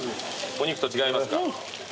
お肉と違いますか？